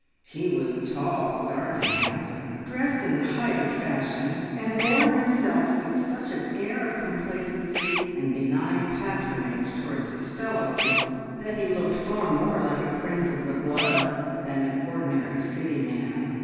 He was tall, dark, and handsome; dressed in the height of the fashion, and bore himself with such an air of complacency and benign patronage towards his fellows, that he looked far more like a prince of the blood than an ordinary city man.